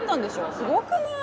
すごくない？